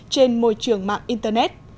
trên môi trường mạng internet